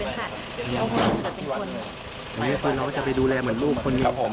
อันนี้คือเราจะไปดูแลเหมือนลูกคนหนึ่ง